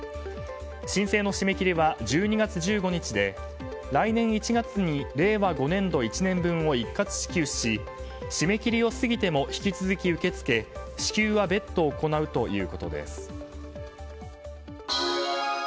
申請の締め切りは１２月１５日で来年１月に令和５年度１年分を一括支給し締め切りを過ぎても引き続き受け付け支給は別途行うということです。